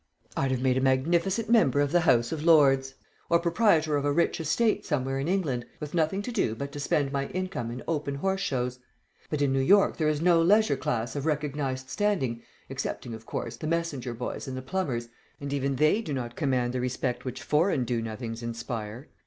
I'd have made a magnificent member of the House of Lords, or proprietor of a rich estate somewhere in England, with nothing to do but to spend my income and open horse shows; but in New York there is no leisure class of recognized standing, excepting, of course, the messenger boys and the plumbers, and even they do not command the respect which foreign do nothings inspire.